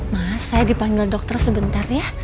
mas saya dipanggil dokter sebentar ya